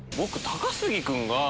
高杉君が。